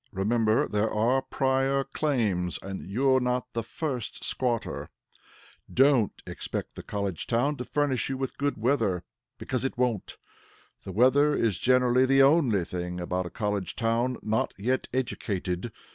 Remember, there are prior claims, and you're not the first squatter. [Sidenote: ITS WEATHER] Don't expect the College Town to furnish you with good weather; because it won't. The weather is generally the only thing about a College Town not yet educated.